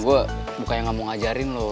gue bukan yang gak mau ngajarin lo